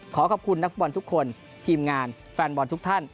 ขอขอบคุณนักฟุตบอลทุกคนทีมงานแฟนบอลทุกท่าน